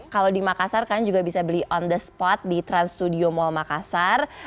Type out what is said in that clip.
kalau di makassar kalian juga bisa beli on the spot di trans studio mall makassar